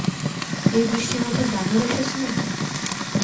এই বৃষ্টির মধ্যে বানর এসেছে নাকি?